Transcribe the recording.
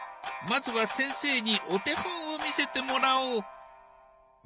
まずは先生にお手本を見せてもらおう。